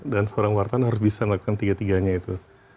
dan seorang wartawan harus bisa melakukan tiga tiganya itu